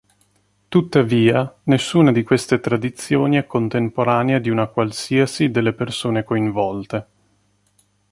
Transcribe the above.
Tuttavia, nessuna di queste tradizioni è contemporanea di una qualsiasi delle persone coinvolte.